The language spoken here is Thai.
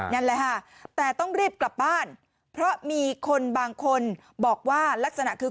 นั่นแหละค่ะแต่ต้องรีบกลับบ้านเพราะมีคนบางคนบอกว่าลักษณะคือ